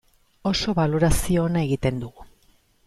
Oso balorazio ona egiten dugu.